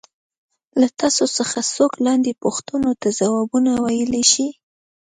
له تاسو څخه څوک لاندې پوښتنو ته ځوابونه ویلای شي.